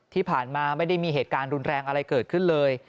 ที่ผ่านมาไม่ได้มีเหตุการณ์รุนแรงอะไรเกิดขึ้นเลย